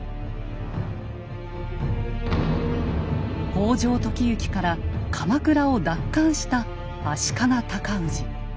北条時行から鎌倉を奪還した足利尊氏。